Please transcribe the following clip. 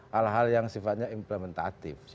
hal hal yang sifatnya implementatif